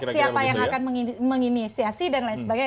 siapa yang akan menginisiasi dan lain sebagainya